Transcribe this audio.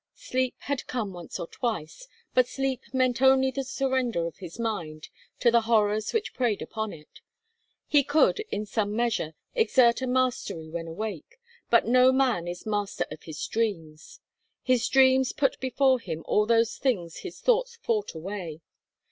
Sleep had come once or twice, but sleep meant only the surrender of his mind to the horrors which preyed upon it. He could, in some measure, exert a mastery when awake, but no man is master of his dreams. His dreams put before him all those things his thoughts fought away.